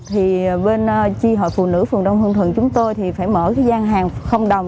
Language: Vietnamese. và bên chi hội phụ nữ phường đông hương thuận chúng tôi thì phải mở cái gian hàng đồng